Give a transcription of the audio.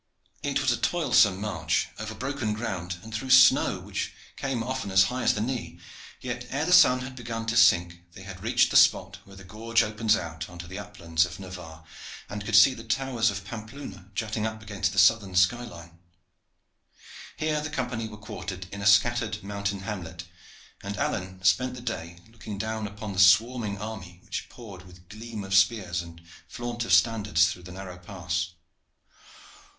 It was a toilsome march over broken ground and through snow, which came often as high as the knee, yet ere the sun had begun to sink they had reached the spot where the gorge opens out on to the uplands of Navarre, and could see the towers of Pampeluna jutting up against the southern sky line. Here the Company were quartered in a scattered mountain hamlet, and Alleyne spent the day looking down upon the swarming army which poured with gleam of spears and flaunt of standards through the narrow pass.